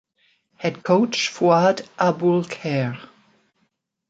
Head Coach: Fouad Aboulkheir.